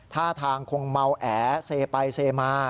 ท่าทางคงเมาแอเซไปเซมา